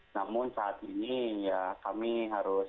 namun saat ini ya kami harus